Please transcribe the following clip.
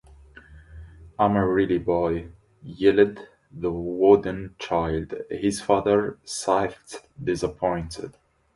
"I'm a real boy!" yelled the wooden child. His father sighed, disappointed.